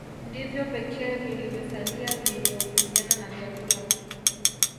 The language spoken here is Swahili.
Ndivyo pekee vilivyosalia vyenye uhusiano na vyakula